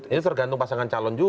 ini tergantung pasangan calon juga